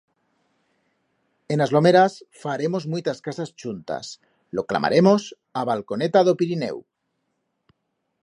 En as lomeras faremos muitas casas chuntas, lo clamaremos: A Balconeta d'o Pirineu.